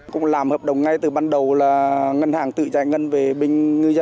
cũng làm hợp đồng ngay từ ban đầu là ngân hàng tự giải ngân về bên ngư dân